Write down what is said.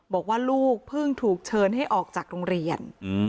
บอกว่าลูกเพิ่งถูกเชิญให้ออกจากโรงเรียน